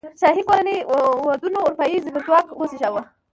شاهي کورنۍ کې ودونو اروپايي زبرځواک وزېږاوه.